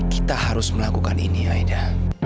kita harus melakukan ini aida